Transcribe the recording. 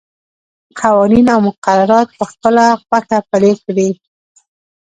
قوانین او مقررات په خپله خوښه پلي کړي.